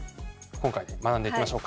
今回で学んでいきましょうか。